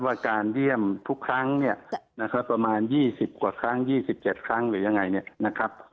ว่าการเยี่ยมทุกครั้งเนี่ยนะครับประมาณ๒๐กว่าครั้ง๒๗ครั้งหรือยังไงเนี่ยนะครับ